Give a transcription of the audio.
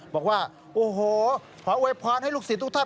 บอกว่าโอ้โหขออวยพรให้ลูกศิษย์ทุกท่าน